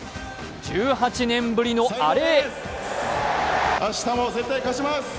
１８年ぶりのアレ！